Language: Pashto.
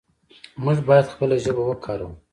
موږ باید خپله ژبه وکاروو.